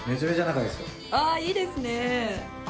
ああいいですね！